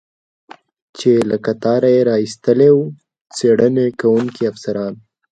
چې له قطاره یې را ایستلی و، څېړنې کوونکي افسران.